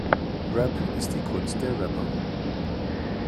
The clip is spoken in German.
Rap ist die Kunst der Rapper.